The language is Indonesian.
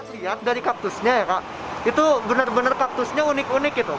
lihat dari kaktusnya ya kak itu benar benar kaktusnya unik unik gitu